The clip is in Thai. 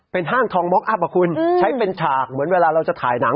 เป็นห้างทองม็คอคุณใช้เป็นฉากเหมือนเวลาเราจะถ่ายหนัง